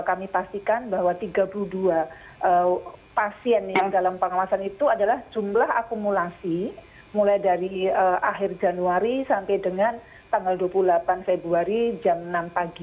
kami pastikan bahwa tiga puluh dua pasien yang dalam pengawasan itu adalah jumlah akumulasi mulai dari akhir januari sampai dengan tanggal dua puluh delapan februari jam enam pagi